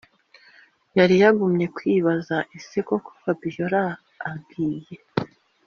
yari yagumye kwibaza ese koko fabiora agiye